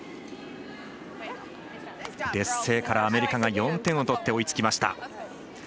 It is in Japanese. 劣勢からアメリカが４点を取って追いつきました。